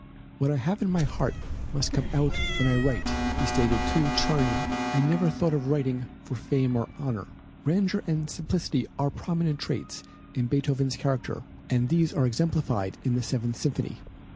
"What I have in my heart must come out when I write," he stated to Czerny. "I never thought of writing for fame and honor." Grandeur and simplicity are prominent traits in Beethoven's character and these are exemplified in the Seventh Symphony.